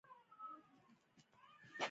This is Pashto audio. د خدای په امر ترې دولس ویالې راوبهېدې.